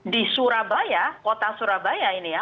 di surabaya kota surabaya ini ya